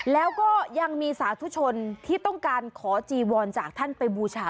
แล้วก็ยังมีสาธุชนที่ต้องการขอจีวรจากท่านไปบูชา